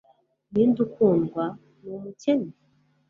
Ninde ukundwa, ni umukene?”